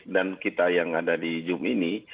dan kita yang ada di jum' ini